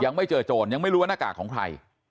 ยังไม่เจอโจรยังไม่รู้ว่าหน้ากากของใคร